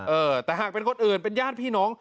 เออแต่หากเป็นคนอื่นเป็นญาติพี่น้อง